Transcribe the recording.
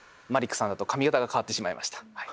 マリックさんだと髪形が変わってしまいました。